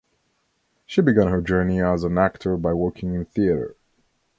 She began her journey as an actor by working in theatre.